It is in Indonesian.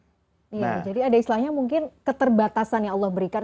jadi ada istilahnya mungkin keterbatasan yang allah berikan